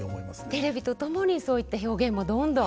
テレビと共にそういった表現もどんどん。